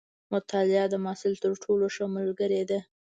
مطالعه د محصل تر ټولو ښه ملګرې ده.